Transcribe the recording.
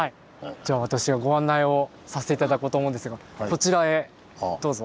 じゃあ私がご案内をさせて頂こうと思うんですがこちらへどうぞ。